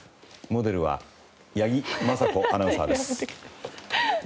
モデルは八木麻紗子アナウンサーです。